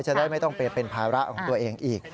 จะได้ไม่ต้องไปเป็นภาระของตัวเองอีก